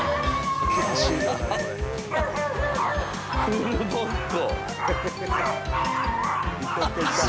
フルボッコ。